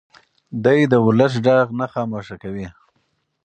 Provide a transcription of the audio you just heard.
دی د ولس غږ نه خاموشه کوي.